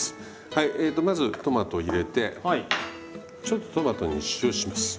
はいえとまずトマト入れてちょっとトマトに塩します。